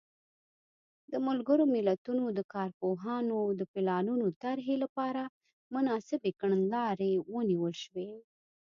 د ملګرو ملتونو د کارپوهانو د پلانونو طرحې لپاره مناسبې کړنلارې ونیول شوې.